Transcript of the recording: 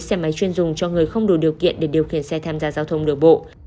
xe máy chuyên dùng cho người không đủ điều kiện để điều khiển xe tham gia giao thông đường bộ